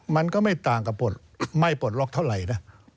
มันก็ไม่ต่างกับปลดไม่ปลดล็อกเท่าไหร่นะ